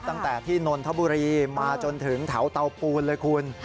ตั้งแต่ที่นนทบุรีมาจนถึงแถวเตาปูนเลยคุณ